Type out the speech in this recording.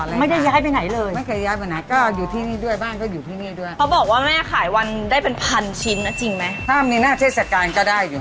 จับมืออะไรเขาจะดูมือนี้ที่ปั้นกะหรี่มาเป็นแบบอย่างบ้าสวย